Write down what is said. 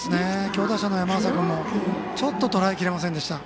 強打者の山浅君もちょっととらえきれませんでした。